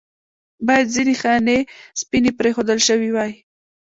باید ځنې خانې سپینې پرېښودل شوې واې.